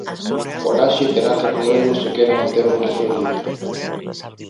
O Laxe terá que roelo se quere manter o posto de líder.